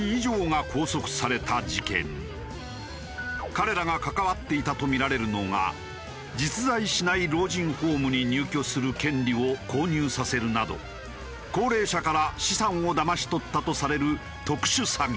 彼らが関わっていたと見られるのが実在しない老人ホームに入居する権利を購入させるなど高齢者から資産をだまし取ったとされる特殊詐欺。